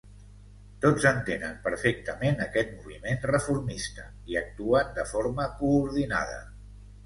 Tots entenen perfectament aquest moviment reformista i actuen de forma coordinada.